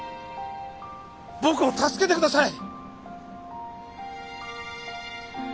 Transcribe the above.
僕を助けてください！